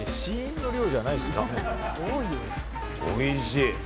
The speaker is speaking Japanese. おいしい！